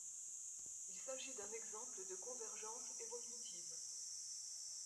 Il s'agit d'un exemple de convergence évolutive.